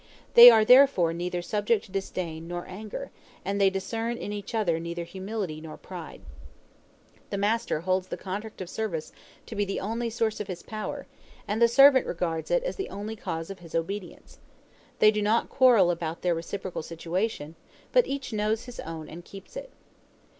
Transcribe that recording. They are therefore neither subject to disdain nor to anger, and they discern in each other neither humility nor pride. The master holds the contract of service to be the only source of his power, and the servant regards it as the only cause of his obedience. They do not quarrel about their reciprocal situations, but each knows his own and keeps it.